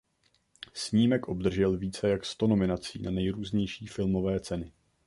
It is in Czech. Snímek obdržel více jak sto nominací na nejrůznější filmové ceny.